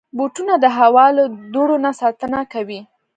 بوټونه د هوا له دوړو نه ساتنه کوي.